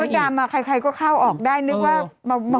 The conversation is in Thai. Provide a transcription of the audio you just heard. แล้วบายมดดำค่อยก็เข้าออกได้นึกว่า